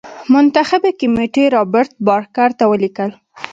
منتخبي کمېټې رابرټ بارکر ته ولیکل.